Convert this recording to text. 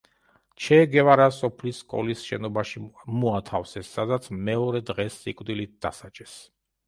ჩე გევარა სოფლის სკოლის შენობაში მოათავსეს, სადაც მეორე დღეს სიკვდილით დასაჯეს.